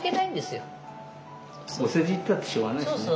お世辞言ったってしょうがないしね。